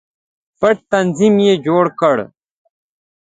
پټ تنظیم یې جوړ کړ.